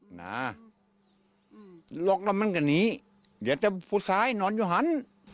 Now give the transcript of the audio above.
หนาล็อกแล้วมันก็หนีเดี๋ยวจะผู้ชายนอนอยู่หัน